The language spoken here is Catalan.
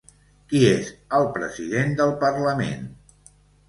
Qui és el president del parlament?